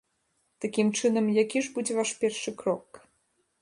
Такім чынам, які ж будзе ваш першы крок?